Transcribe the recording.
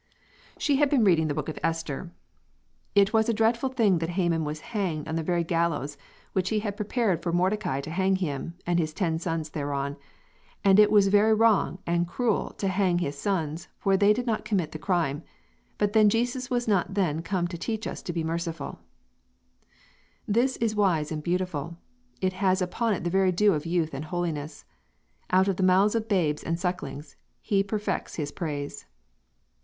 She has been reading the Book of Esther: "It was a dreadful thing that Haman was hanged on the very gallows which he had prepared for Mordecai to hang him and his ten sons thereon and it was very wrong and cruel to hang his sons for they did not commit the crime; but then Jesus was not then come to teach us to be merciful." This is wise and beautiful, has upon it the very dew of youth and holiness. Out of the mouths of babes and sucklings He perfects his praise.